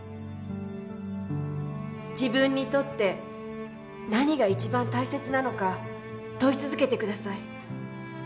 自分にとって何が一番大切なのか問い続けて下さい。